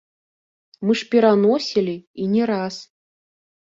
Мы ж пераносілі, і не раз.